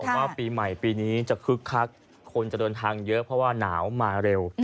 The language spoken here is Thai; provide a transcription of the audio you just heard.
ว่าปีใหม่ปีนี้จะคึกคักคนจะเดินทางเยอะเพราะว่าหนาวมาเร็ว